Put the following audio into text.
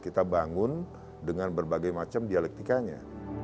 kita bangun dengan berbagai macam dialektikanya